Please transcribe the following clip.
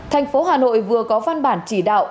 tp hà nội vừa có văn bản chỉ đạo